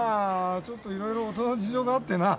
ちょっといろいろ大人の事情があってな。